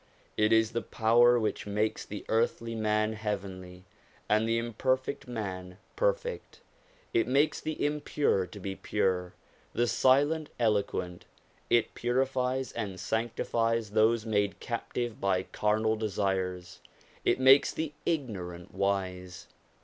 It is the power which makes the earthly man heavenly, and the imperfect man perfect. It makes the impure to be pure, the silent eloquent; it purifies and sanctifies those made captive by carnal desires; it makes the ignorant wise.